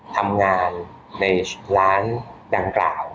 ทำงานในร้านดังกล่าว